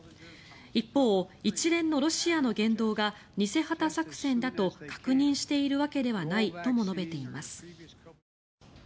一方、一連のロシアの言動が偽旗作戦だと確認しているわけではないとも述べています。